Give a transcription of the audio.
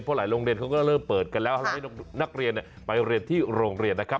เพราะหลายโรงเรียนเขาก็เริ่มเปิดกันแล้วให้นักเรียนไปเรียนที่โรงเรียนนะครับ